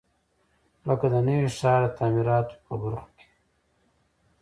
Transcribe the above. لکه د نوي ښار د تعمیراتو په برخو کې.